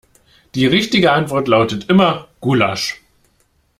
Die richtige Antwort lautet immer Gulasch.